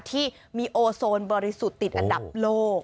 ที่มีโอโซนบริสุทธิ์ติดอันดับโลก